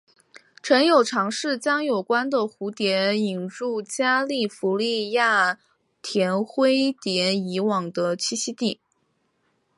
曾有尝试将有关的蝴蝶引入加利福尼亚甜灰蝶以往的栖息地。